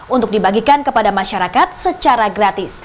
untuk dibagikan kepada masyarakat secara gratis